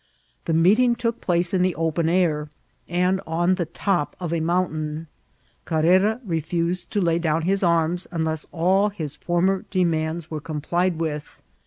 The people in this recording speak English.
The meeting took place in the open air, and on the top of a mountain. Carrera refused to lay down his arms unless all his former demands were complied H08TILITIB8.